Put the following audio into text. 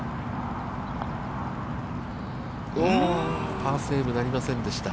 パーセーブなりませんでした。